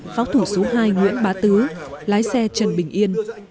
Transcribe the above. pháo thủ số hai nguyễn bá tứ lái xe trần bình yên